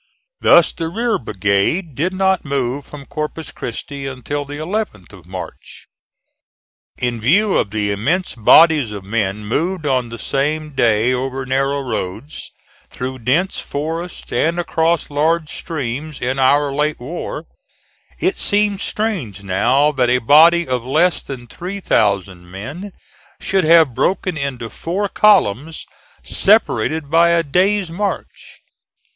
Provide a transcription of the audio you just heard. Thus the rear brigade did not move from Corpus Christi until the 11th of March. In view of the immense bodies of men moved on the same day over narrow roads, through dense forests and across large streams, in our late war, it seems strange now that a body of less than three thousand men should have been broken into four columns, separated by a day's march.